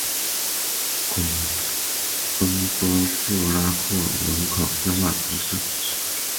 孔东多布拉克人口变化图示